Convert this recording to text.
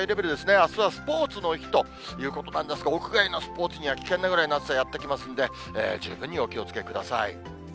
あすはスポーツの日ということなんですが、屋外のスポーツには危険なぐらいの暑さがやって来ますんで、十分にお気をつけください。